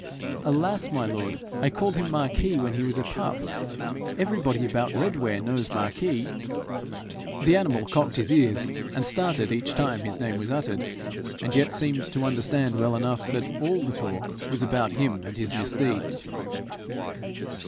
'Alas, my lord! I called him Marquis when he was a pup. Everybody about Redware knows Marquis.' The animal cocked his ears and started each time his name was uttered, and yet seemed to understand well enough that ALL the talk was about him and his misdeeds.